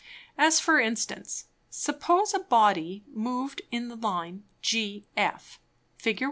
As for Instance, Suppose a Body moved in the Line GF, (_Fig.